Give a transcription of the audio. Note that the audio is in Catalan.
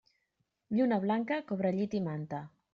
Lluna blanca, cobrellit i manta.